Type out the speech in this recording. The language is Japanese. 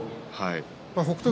北勝